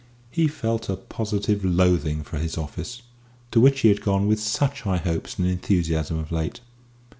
He felt a positive loathing for his office, to which he had gone with such high hopes and enthusiasm of late.